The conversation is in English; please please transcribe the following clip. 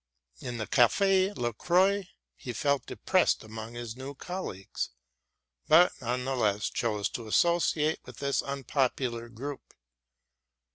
In the Café La Croix he felt depressed among his new colleagues, but none the less chose to associate with this unpopular group.